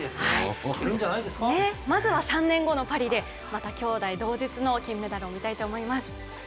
まずは３年後のパリでまた兄妹同日の金メダルを見たいと思います。